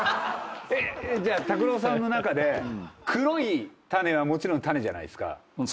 じゃあ拓郎さんの中で黒い種はもちろん種じゃないっすか。